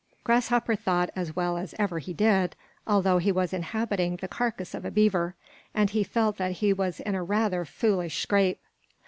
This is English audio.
Grasshopper thought as well as ever he did, although he was inhabiting the carcass of a beaver; and he felt that he was in a rather foolish scrape.